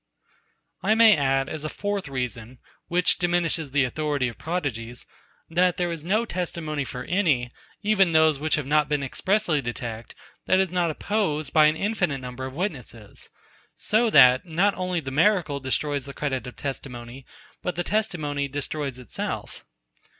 95. I may add as a fourth reason, which diminishes the authority of prodigies, that there is no testimony for any, even those which have not been expressly detected, that is not opposed by an infinite number of witnesses; so that not only the miracle destroys the credit of testimony, but the testimony destroys itself.